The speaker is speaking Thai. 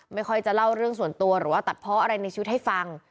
ไม่ค่อยจะเล่าเรื่องส่วนตัวหรือว่าตัดเพาะอะไรในชีวิตให้ฟัง